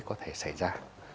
có thể xảy ra